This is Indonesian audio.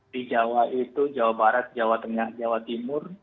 di jawa itu jawa barat jawa tengah jawa timur